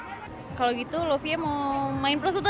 mau ya udah kalau gitu ayo kita main prosotan